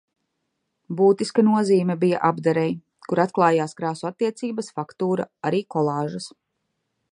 Būtiska nozīme bija apdarei, kur atklājās krāsu attiecības, faktūra, arī kolāžas.